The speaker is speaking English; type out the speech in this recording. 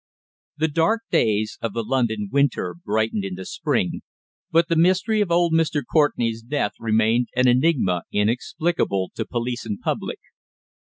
The dark days of the London winter brightened into spring, but the mystery of old Mr. Courtenay's death remained an enigma inexplicable to police and public.